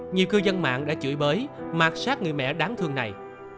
nhiều cư dân mạng đã chửi bới mạc sát người mẹ đáng thương này